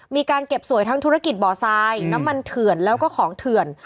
มีการเก็บสวยทั้งธุรกิจบ่อทรายน้ำมันเถื่อนแล้วก็ของเถื่อน